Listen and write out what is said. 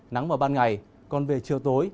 nắng vào ban ngày còn về chiều tối